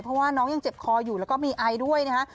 เพราะว่าน้องยังเจ็บคออยู่แล้วก็มีไอด้วยนะคะ